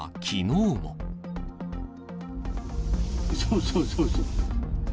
うそ、うそ、うそ、うそ。